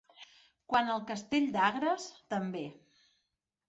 Quant al castell d'Agres, també.